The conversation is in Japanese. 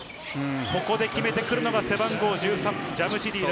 ここで決めてくるのがジャムシディ。